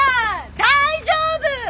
大丈夫！